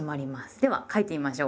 では書いてみましょう。